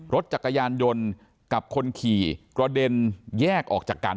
รถจักรยานยนต์กับคนขี่กระเด็นแยกออกจากกัน